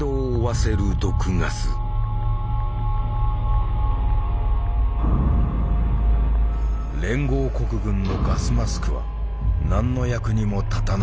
連合国軍のガスマスクは何の役にも立たなかった。